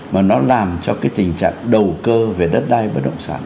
mà nó làm cho cái tình trạng đầu cơ về đất đai bất động sản